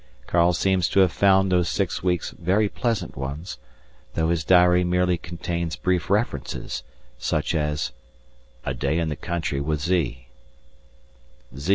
_ _Karl seems to have found those six weeks very pleasant ones, though his diary merely contains brief references, such as: "A. day in the country with Z."; "Z.